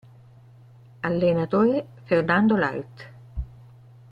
Allenatore: Fernando Leite